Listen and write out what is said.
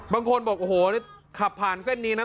บางคนบอกโอ้โหขับผ่านเส้นนี้นะ